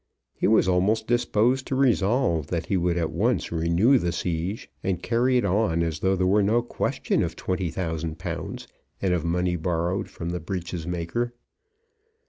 He was almost disposed to resolve that he would at once renew the siege and carry it on as though there were no question of twenty thousand pounds, and of money borrowed from the breeches maker.